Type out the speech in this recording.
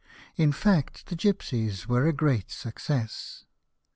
In fact the gipsies were a great success.